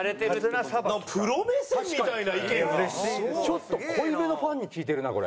ちょっと濃いめのファンに聞いてるなこれ。